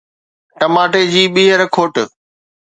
ٽماٽي جي ٻيهر کوٽ